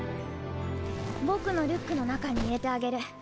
僕のリュックの中に入れてあげる。